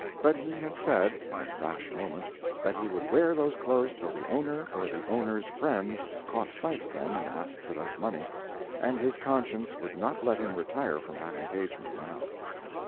But he had said, in a rash moment, that he would wear those clothes till the owner or the owner's friends caught sight of them and asked for that money, and his conscience would not let him retire from that engagement now.